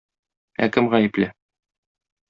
Ә кем гаепле?